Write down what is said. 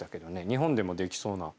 日本でもできそうな。